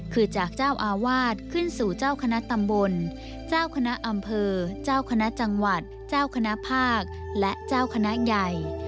คือจากเจ้าอาวาสขึ้นสู่เจ้าคณะตำบลเจ้าคณะอำเภอเจ้าคณะจังหวัดเจ้าคณะภาคและเจ้าคณะใหญ่